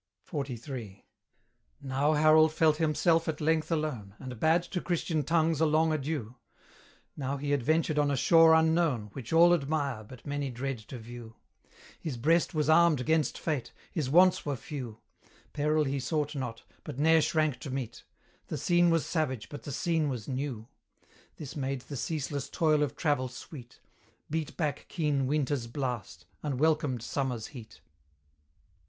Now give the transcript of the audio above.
XLIII. Now Harold felt himself at length alone, And bade to Christian tongues a long adieu: Now he adventured on a shore unknown, Which all admire, but many dread to view: His breast was armed 'gainst fate, his wants were few: Peril he sought not, but ne'er shrank to meet: The scene was savage, but the scene was new; This made the ceaseless toil of travel sweet, Beat back keen winter's blast; and welcomed summer's heat.